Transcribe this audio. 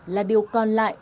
là điều còn lại